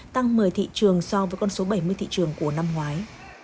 tăng một mươi thị trường so với con số bảy mươi thị trường của năm ngoái